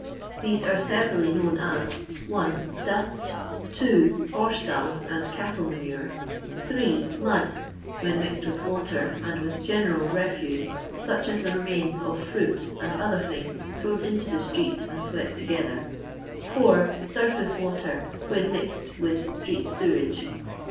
These ara severally known as (1) DusL h) Horse dunp and caUle manun, ^) Afud, when mixed with water and witb genetal rafuse, sach as the remains of finil and other thmgs thrown into the street and swept together. (4) Swface water when mixed with street sewage.